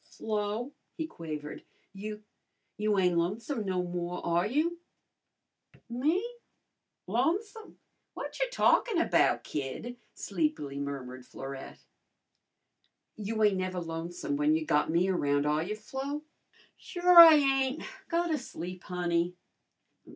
"Flo," he quavered, "you you ain't lonesome no more, are you?" "Me? Lonesome? Whatcher talkin' about, kid?" sleepily murmured Florette. "You ain't never lonesome when you got me around, are you, Flo?" "Sure I ain't. Go to sleep, honey."